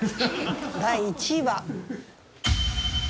第１位は。